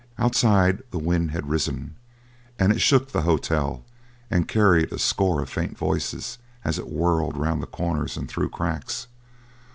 Outside, the wind had risen, and it shook the hotel and carried a score of faint voices as it whirred around corners and through cracks.